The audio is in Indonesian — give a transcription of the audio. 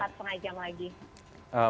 sekitar setengah jam lagi